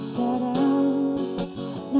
setidaknya kau pada pada